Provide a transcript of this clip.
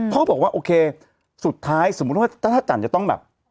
เขาบอกว่าโอเคสุดท้ายสมมุติว่าถ้าจันจะต้องแบบ